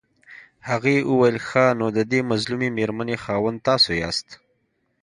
هغې وويل ښه نو ددې مظلومې مېرمنې خاوند تاسو ياست.